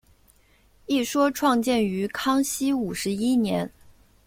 一说创建于康熙五十一年。